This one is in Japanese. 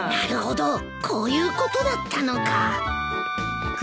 こういうことだったのか。